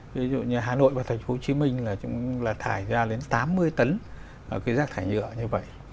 ví dụ như hà nội và thành phố hồ chí minh là thải ra đến tám mươi tấn rác thải nhựa như vậy